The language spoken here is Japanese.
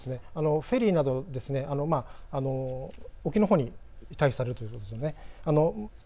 フェリーなど沖のほうに退避されるということですよね。